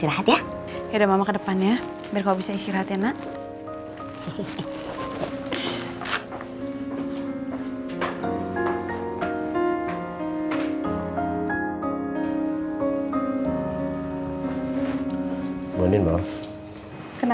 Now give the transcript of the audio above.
itu aja sih ibu yang ingin saya sampaikan